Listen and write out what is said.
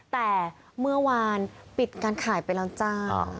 แต่เมื่อวานปิดการขายไปแล้วจ้า